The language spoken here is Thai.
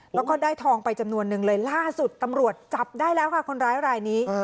แล้วก็ได้ทองไปจำนวนนึงเลยล่าสุดตำรวจจับได้แล้วค่ะคนร้ายรายนี้